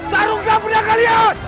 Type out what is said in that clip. sarungkan perang kalian